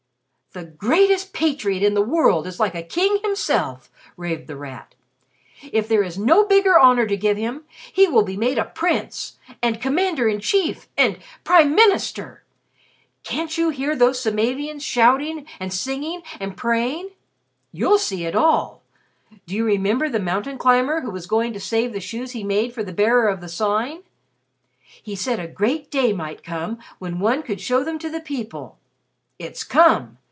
"The greatest patriot in the world is like a king himself!" raved The Rat. "If there is no bigger honor to give him, he will be made a prince and Commander in Chief and Prime Minister! Can't you hear those Samavians shouting, and singing, and praying? You'll see it all! Do you remember the mountain climber who was going to save the shoes he made for the Bearer of the Sign? He said a great day might come when one could show them to the people. It's come!